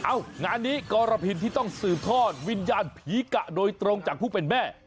งานนี้กรพินที่ต้องสืบทอดวิญญาณผีกะโดยตรงจากผู้เป็นแม่